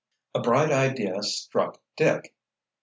A bright idea struck Dick.